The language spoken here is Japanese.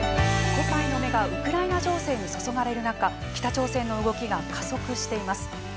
世界の目がウクライナ情勢に注がれる中北朝鮮の動きが加速しています。